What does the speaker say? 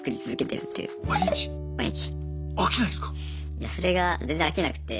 いやそれが全然飽きなくて。